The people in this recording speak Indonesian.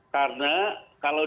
karena kalau dilihat dari tugasnya